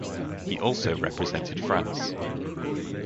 He also represented France.